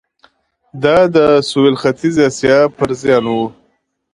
دا د سوېل ختیځې اسیا پر زیان و.